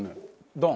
ドン！